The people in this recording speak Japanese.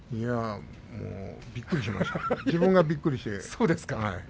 びっくりしました自分がびっくりして。